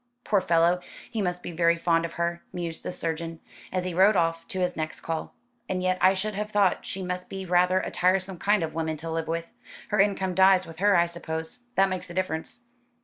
"Poor fellow, he must be very fond of her," mused the surgeon, as he rode off to his next call. "And yet I should have thought she must be rather a tiresome kind of woman to live with. Her income dies with her I suppose. That makes a difference."